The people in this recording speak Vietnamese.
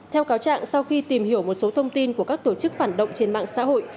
theo cáo trạng sau khi tìm hiểu một số thông tin của các tổ chức phản động trên mạng xã hội